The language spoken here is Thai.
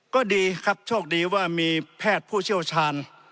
ก็ดีครับโชคดีว่ามีแพทย์ผู้เชี่ยวชาญ